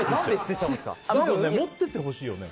持っててほしいですよね。